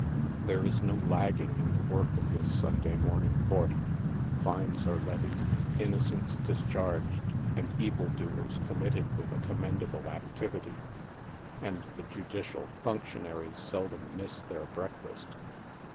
There is no lagging in the work of this Sunday morn ing court — fines are levied, innocents discharged, and evil doers committed with a commendable activity, and the judicial function aries seldom miss their breakfast.